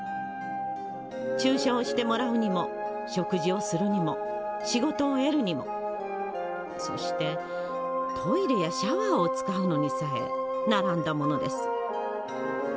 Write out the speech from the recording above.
注射をしてもらうにも食事をするにも仕事を得るにもそしてトイレやシャワーを使うのにさえ並んだものです」。